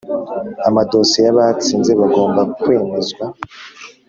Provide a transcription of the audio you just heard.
amadosiye y’abatsinze bagomba kwemezwa